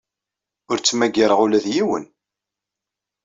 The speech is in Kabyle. Ur ttmagareɣ ula d yiwen.